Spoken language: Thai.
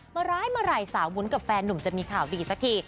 ร้ายเมื่อไหร่สาววุ้นกับแฟนหนุ่มจะมีข่าวดีสักที